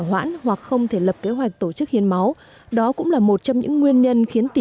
hoãn hoặc không thể lập kế hoạch tổ chức hiến máu đó cũng là một trong những nguyên nhân khiến tỷ